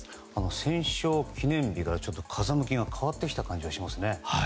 戦勝記念日から風向きが変わってきた感じがしますね。